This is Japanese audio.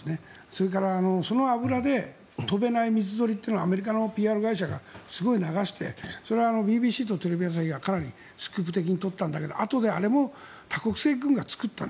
それからその油で飛べない水鳥というのをアメリカのＰＲ会社がすごく流してそれはＢＢＣとテレビ朝日がかなりスクープ的に撮ったんだけどあとであれも多国籍軍が作った。